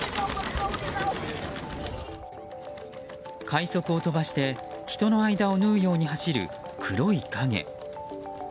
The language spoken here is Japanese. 快足を飛ばして人の間を縫うように走る黒い影。